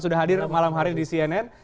sudah hadir malam hari di cnn